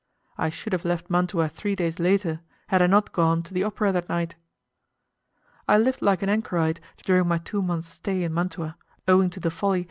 I should have left Mantua three days later, had I not gone to the opera that night. I lived like an anchorite during my two months' stay in Mantua, owing to the folly.